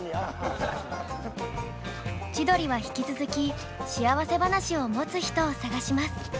千鳥は引き続き幸せ話を持つ人を探します。